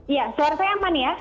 iya suara saya aman ya